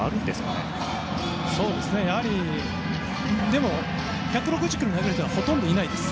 でも、１６０キロ投げる人はほとんどいないです。